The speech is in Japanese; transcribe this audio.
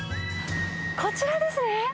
こちらですね。